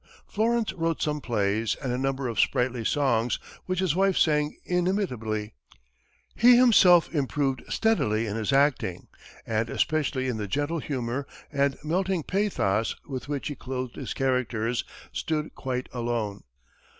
Florence wrote some plays and a number of sprightly songs, which his wife sang inimitably. He himself improved steadily in his acting, and, especially in the gentle humor and melting pathos with which he clothed his characters, stood quite alone.